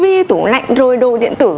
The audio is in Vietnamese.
vì vi tủ lạnh rồi đồ điện tử